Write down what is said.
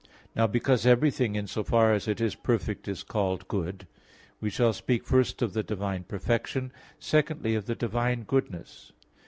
Now because everything in so far as it is perfect is called good, we shall speak first of the divine perfection; secondly of the divine goodness.